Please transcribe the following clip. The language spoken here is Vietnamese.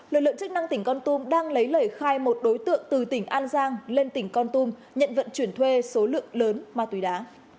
lực lượng chức năng tỉnh con tum đang lấy lời khai một đối tượng từ tỉnh an giang lên tỉnh con tum nhận vận chuyển thuê số lượng lớn ma túy đá